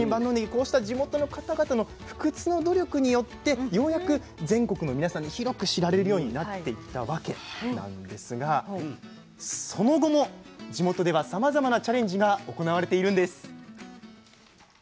こうした地元の方々の不屈の努力によってようやく全国の皆さんに広く知られるようになっていったわけなんですがその後も地元ではさまざまなチャレンジが行われているんです。